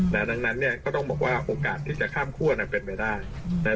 ดังนั้นก็ต้องบอกว่าโอกาสที่จะข้ามคั่วเป็นไปได้